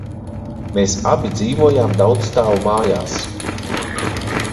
Mēs abi dzīvojām daudzstāvu mājās.